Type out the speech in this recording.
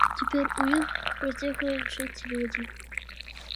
Цяпер у ім працягваюць жыць людзі.